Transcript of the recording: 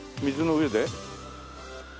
水の上で？